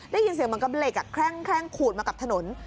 ได้ยินเสียงบังกำเล็กแคร่งขูดมากับถนน